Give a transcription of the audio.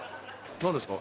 何ですか？